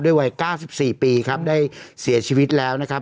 วัย๙๔ปีครับได้เสียชีวิตแล้วนะครับ